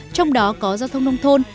trong đó có giao thông nông thôn